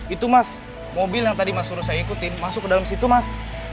itu mas mobil yang tadi mas suruh saya ikutin masuk ke dalam situ mas